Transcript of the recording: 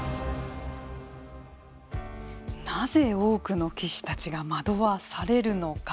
なぜ多くの棋士たちが惑わされるのか。